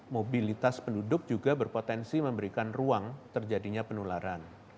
mobilitas penduduk juga berpotensi memberikan ruang terjadinya penularan